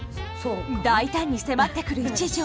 大胆に迫ってくる一条。